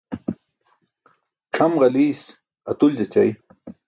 Cʰam ġaliis atuljaćay.